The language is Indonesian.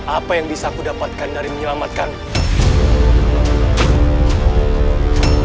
apa yang bisa aku dapatkan dari menyelamatkan